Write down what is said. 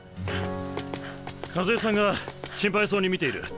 和枝さんが心配そうに見ている。